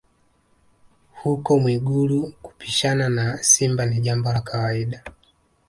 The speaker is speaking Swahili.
Huko Mwigulu kupishana na simba ni jambo la kawaida